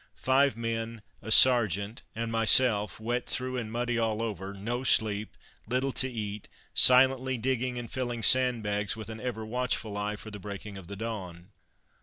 Five men, a sergeant and myself, wet through and muddy all over; no sleep, little to eat, silently digging and filling sandbags with an ever watchful eye for the breaking of the dawn.